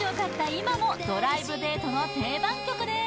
今もドライブデートの定番曲です